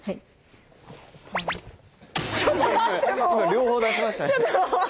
両方出しましたね。